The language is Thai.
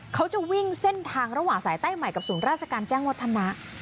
เขาจะวิ่งเส้นทางระหว่างสายใต้ใหม่กับศูนย์ราชการแจ้งวัฒนะ